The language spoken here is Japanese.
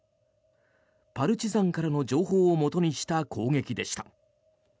パルチザンからの情報をもとにした攻撃でした。